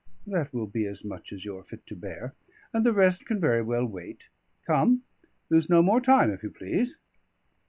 "That will be as much as you are fit to bear, and the rest can very well wait. Come, lose no more time, if you please."